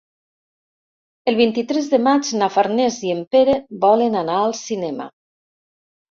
El vint-i-tres de maig na Farners i en Pere volen anar al cinema.